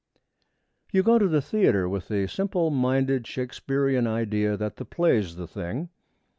You go to the theatre with the simple minded Shakespearean idea that the play's the thing.